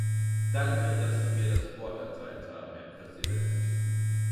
Danke, dass Sie mir das Wort erteilt haben, Herr Präsident.